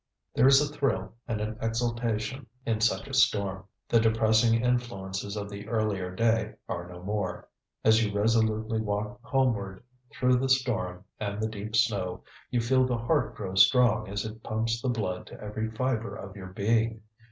There is a thrill and an exaltation in such a storm. The depressing influences of the earlier day are no more. As you resolutely walk homeward through the storm and the deep snow, you feel the heart grow strong as it pumps the blood to every fiber of your being.